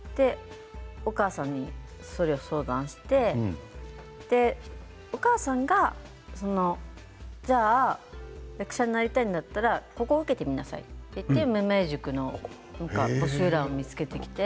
お母さんに、それを相談してお母さんがじゃあ役者になりたいんだったらここを受けてみなさいと言って無名塾の募集を見つけてきて。